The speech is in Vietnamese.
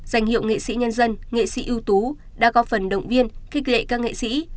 danh hiệu nghệ sĩ nhân dân nghệ sĩ ưu tú đã có phần động viên khích lệ các nghệ sĩ